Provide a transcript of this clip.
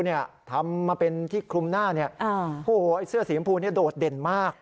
เนี่ยทำมาเป็นที่คลุมหน้าเนี่ยอ่าโหไอ้เสื้อสีมะพูนี้โดดเด่นมาก